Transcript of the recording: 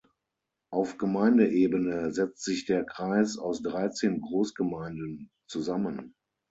Auf Gemeindeebene setzt sich der Kreis aus dreizehn Großgemeinden zusammen.